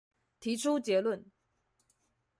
提出結論